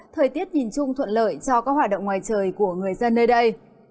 thời tiết nhìn chung thuận lợi cho các hoạt động ngoài trời của người dân nơi đây